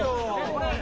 これ。